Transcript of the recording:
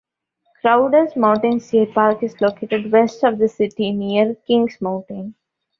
Crowders Mountain State Park is located west of the city, near Kings Mountain.